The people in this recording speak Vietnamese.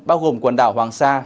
bao gồm quần đảo hoàng sa